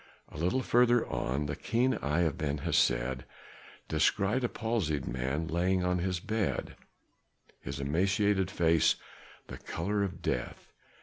A little further on, the keen eye of Ben Hesed descried a palsied man lying on his bed, his emaciated face the color of death.